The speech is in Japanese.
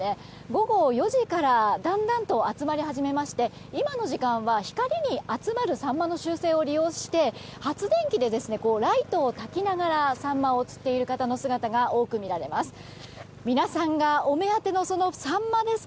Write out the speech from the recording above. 午後４時からだんだんと集まり始めまして今の時間は光に集まるサンマの習性を利用して発電機でライトをたきながらサンマを釣っている方の姿が多く見られます。